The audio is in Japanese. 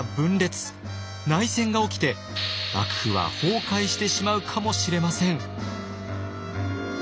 内戦が起きて幕府は崩壊してしまうかもしれません。